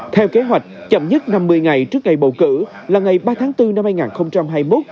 theo kế hoạch chậm nhất năm mươi ngày trước ngày bầu cử là ngày ba tháng bốn năm hai nghìn hai mươi một